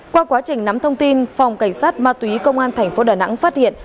qua quá trình nắm thông tin phòng cảnh sát ma túy công an thành phố đà nẵng phát hiện